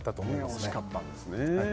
惜しかったんですね。